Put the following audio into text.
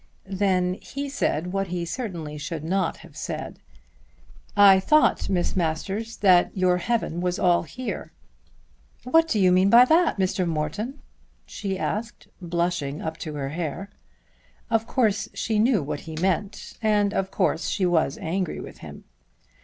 Then he said what he certainly should not have said. "I thought, Miss Masters, that your heaven was all here." "What do you mean by that, Mr. Morton?" she asked blushing up to her hair. Of course she knew what he meant, and of course she was angry with him.